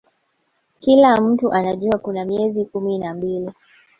Kila mtu anajua kuna miezi kumi na mbili